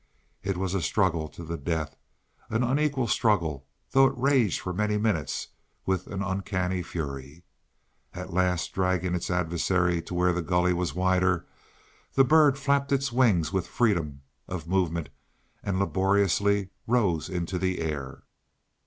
It was a struggle to the death an unequal struggle, though it raged for many minutes with an uncanny fury. At last, dragging its adversary to where the gully was wider, the bird flapped its wings with freedom of movement and laboriously rose into the air.